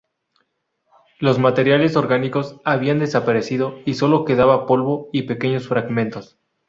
Los materiales orgánicos habían desaparecido y solo quedaba polvo y pequeños fragmentos.